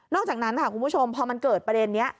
อกจากนั้นค่ะคุณผู้ชมพอมันเกิดประเด็นนี้